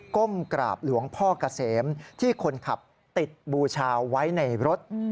ก้มกราบหลวงพ่อกะเสมที่คนขับติดบูชาไว้ในรถ